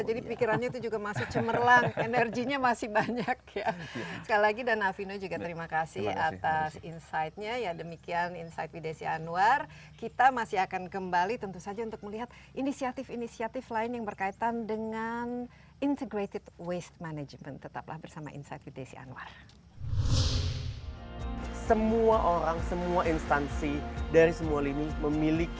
jadi pikirannya itu juga masih cemerlang energinya masih banyak